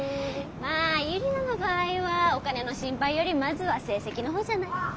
まあユリナの場合はお金の心配よりまずは成績の方じゃない？